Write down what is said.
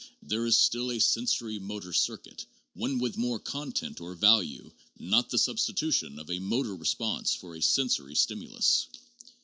There is still a sensori motor circuit, one with more content or value, not a substitution of a motor response for a sensory stimulus.